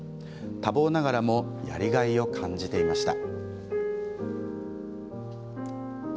多忙ながらもやりがいを感じていました。